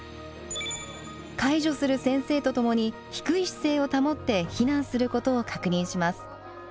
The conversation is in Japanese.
介助する先生と共に低い姿勢を保って避難することを確認します。